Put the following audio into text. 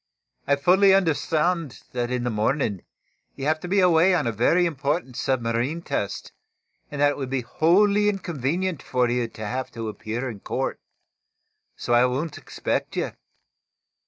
I fully understand that in the morning, you have to be away on a very important submarine test, and that it would be wholly inconvenient for you to have to appear in court. So I won't expect you.